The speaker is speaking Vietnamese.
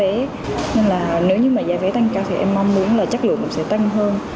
nên là nếu như mà giá vé tăng cao thì em mong muốn là chất lượng cũng sẽ tăng hơn